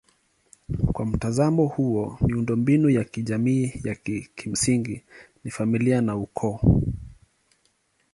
Kwa mtazamo huo miundombinu ya kijamii ya kimsingi ni familia na ukoo.